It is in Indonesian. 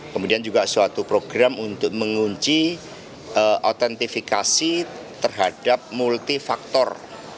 kemudian juga suatu program untuk mengunci autentifikasi terhadap multifaktor